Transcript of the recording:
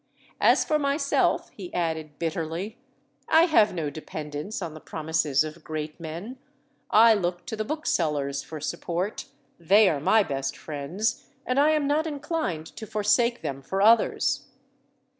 "As for myself," he added, bitterly, "I have no dependence on the promises of great men. I look to the booksellers for support; they are my best friends, and I am not inclined to forsake them for others."